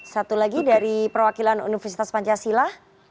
satu lagi dari perwakilan universitas pancasila